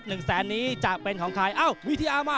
หนึ่งแสนนี้จะเป็นของใครเอ้าวิทยามา